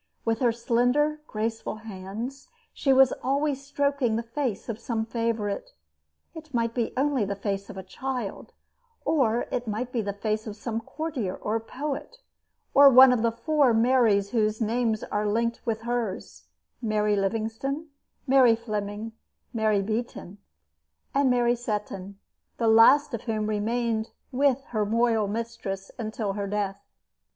With her slender, graceful hands she was always stroking the face of some favorite it might be only the face of a child, or it might be the face of some courtier or poet, or one of the four Marys whose names are linked with hers Mary Livingstone, Mary Fleming, Mary Beaton, and Mary Seton, the last of whom remained with her royal mistress until her death.